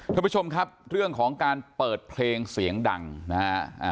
ท่านผู้ชมครับเรื่องของการเปิดเพลงเสียงดังนะฮะ